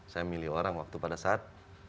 saya milih orang waktu pada saat